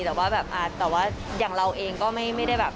แต่ว่าแบบแต่ว่าอย่างเราเองก็ไม่ได้แบบ